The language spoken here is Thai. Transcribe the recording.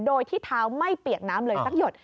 โดยที่เท้าไม่เปียกน้ำเลยสักหยด